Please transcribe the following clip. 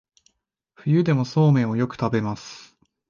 冬でもそうめんをよく食べます